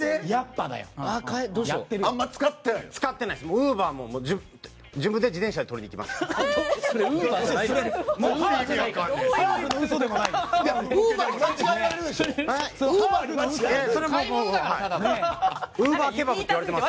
ウーバーも自分で自転車で取りに行きます。